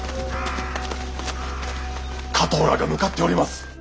加藤らが向かっております。